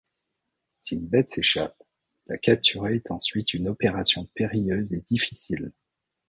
Si une bête s'échappe, la capturer est ensuite une opération périlleuse et difficile.